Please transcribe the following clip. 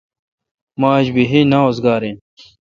مہ آج بیہی نا اوزگار این